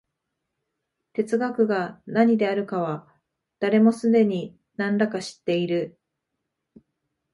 哲学が何であるかは、誰もすでに何等か知っている。